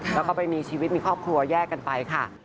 แล้วก็ไปมีชีวิตมีครอบครัวแยกกันไปค่ะ